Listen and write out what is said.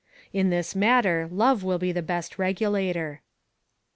In this matter love will be the best regulator.